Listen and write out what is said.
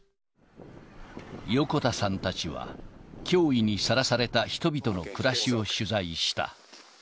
横田さんたちは、脅威にさらされた人々の暮らしを取材した。